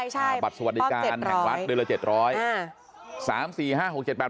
ใช่ใช่ป้อบ๗๐๐บาท